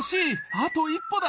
あと１歩だ！